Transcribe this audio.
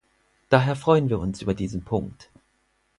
Daher freuen wir uns über diesen Punkt.